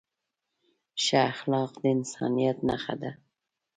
ښه اخلاق د انسانیت نښه ده.